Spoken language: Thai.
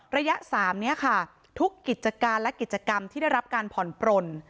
ระยะ๓นี้ค่ะทุกกิจการและกิจกรรมที่ได้รับการผ่อนปลน